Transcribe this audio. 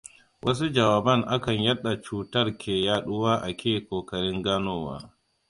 Wasu jawaban akan yadda cutar ke yaɗuwa ake kokarin ganowa.